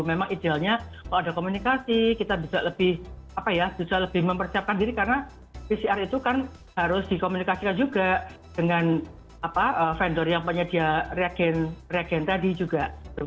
memang idealnya kalau ada komunikasi kita bisa lebih mempersiapkan diri karena pcr itu kan harus dikomunikasikan juga dengan vendor yang penyedia reagen tadi juga